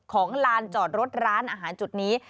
ของลานจอดรถร้านอาหารจุดนี้